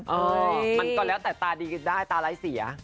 มันก่อนแล้วแต่ตาดีก็ได้ตาไร้เสีย